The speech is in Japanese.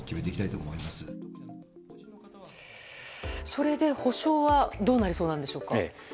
それで補償はどうなりそうなんでしょうか。